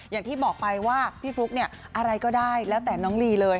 อย่างที่บอกไปว่าพี่ฟลุ๊กเนี่ยอะไรก็ได้แล้วแต่น้องลีเลย